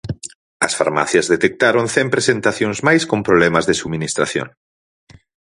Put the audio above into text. As farmacias detectaron cen presentacións máis con problemas de subministración.